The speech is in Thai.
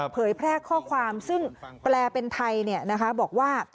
เผยแพร่ข้อความซึ่งแปลเป็นไทยบอกว่า